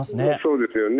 そうですよね。